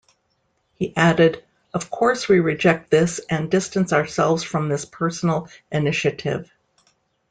He added, Of course we reject this and distance ourselves from this personal initiative.